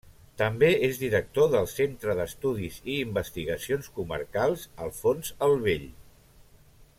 També és director del Centre d'Estudis i Investigacions Comarcals Alfons el Vell.